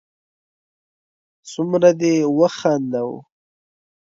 څومره دې و خنداوه